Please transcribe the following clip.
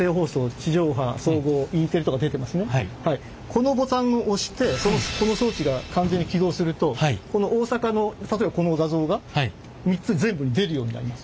このボタンを押してこの装置が完全に起動すると大阪の例えばこの画像が３つ全部に出るようになります。